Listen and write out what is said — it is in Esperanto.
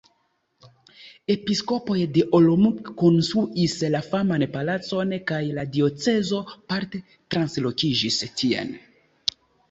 Episkopoj de Olomouc konstruis la faman Palacon kaj la diocezo parte translokiĝis tien.